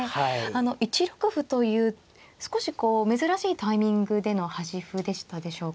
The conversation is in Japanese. あの１六歩という少しこう珍しいタイミングでの端歩でしたでしょうか。